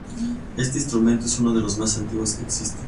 Este instrumento es uno de los más antiguos que existen.